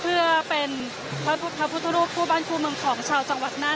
เพื่อเป็นพระพุทธรูปคู่บ้านคู่เมืองของชาวจังหวัดน่าน